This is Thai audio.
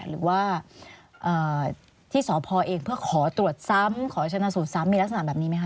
หรือว่าที่สพเองเพื่อขอตรวจซ้ำขอชนะสูตรซ้ำมีลักษณะแบบนี้ไหมคะ